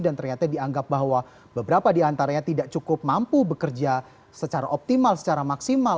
dan ternyata dianggap bahwa beberapa di antaranya tidak cukup mampu bekerja secara optimal secara maksimal